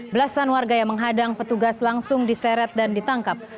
belasan warga yang menghadang petugas langsung diseret dan ditangkap